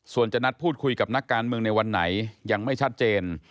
ส่วนจะนัดพูดคุยกับนักการเมืองในวันไหนยังไม่ชัดเจน